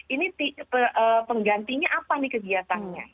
ini penggantinya apa nih kegiatannya